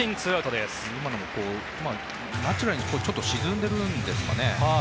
今のもナチュラルに沈んでるんですかね。